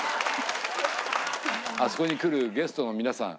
あそこに来るゲストの皆さん